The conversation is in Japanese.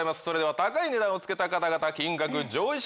それでは高い値段を付けた方々。